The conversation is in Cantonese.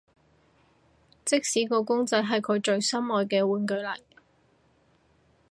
即使個公仔係佢最心愛嘅玩具嚟